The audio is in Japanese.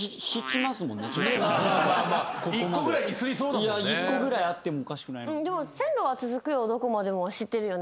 いや１個ぐらいあってもおかしくない。